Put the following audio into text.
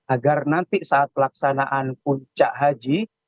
agar nanti saat pelaksanaan puncak haji